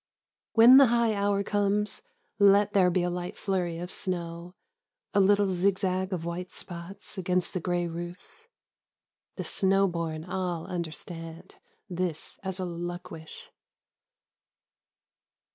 When the high hour comes Let there be a light flurry of snow, A little zigzag of white spots Against the gray roofs. The snow born all understand this as a luck wish.